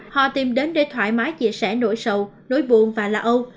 họ tìm đến để thoải mái chia sẻ nỗi sầu nỗi buồn và la âu